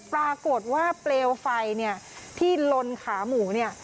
ปรากฏว่าเปรียวไฟที่ลนขาหมูนี่